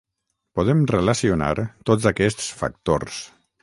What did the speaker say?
Podem relacionar tots aquests factors.